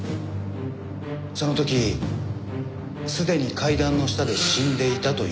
その時すでに階段の下で死んでいたという事ですか？